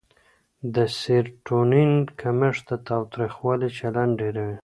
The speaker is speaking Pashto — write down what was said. د سېرټونین کمښت د تاوتریخوالي چلند ډېروي.